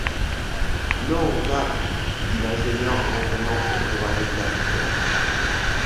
Non, Nab, » dit l’ingénieur, en retenant son courageux serviteur.